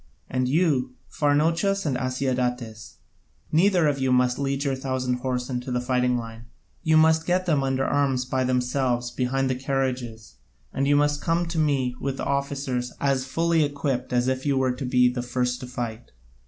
And you, Pharnouchus and Asiadatas, neither of you must lead your thousand horse into the fighting line, you must get them under arms by themselves behind the carriages: and then come to me with the other officers as fully equipt as if you were to be the first to fight.